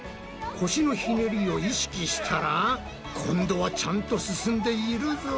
腰のひねりを意識したら今度はちゃんと進んでいるぞ。